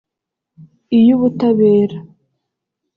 iy’Ubutabera